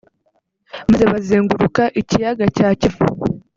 maze bazenguruka ikiyaga cya Kivu